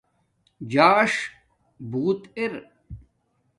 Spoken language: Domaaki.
ژاݽ بوت ار